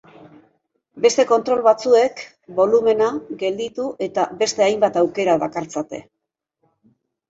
Beste kontrol batzuek bolumena, gelditu eta beste hainbat aukera dakartzate.